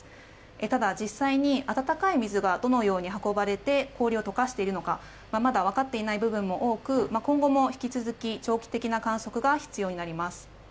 ただ、実際に温かい水がどのように運ばれて氷を解かしているのかまだ分かっていない部分も多く今後も引き続き長期的な観測が必要になります。